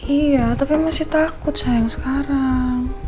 iya tapi masih takut sayang sekarang